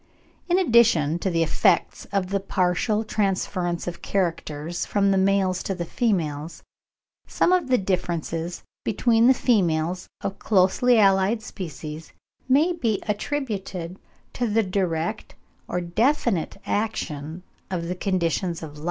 In addition to the effects of the partial transference of characters from the males to the females, some of the differences between the females of closely allied species may be attributed to the direct or definite action of the conditions of life.